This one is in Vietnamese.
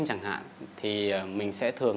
chẳng hạn thì mình sẽ thường